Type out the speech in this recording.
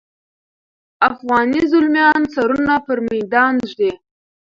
افغاني زلمیان سرونه پر میدان ږدي.